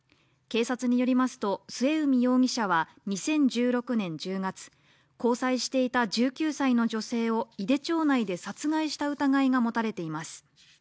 警察によりますと、末海容疑者は２０１６年１０月、交際していた１９歳の女性を井手町内で殺害した疑いが持たれています。